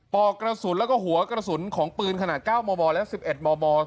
ปอกกระสุนแล้วก็หัวกระสุนของปืนขนาดเก้ามบและสิบเอ็ดมบ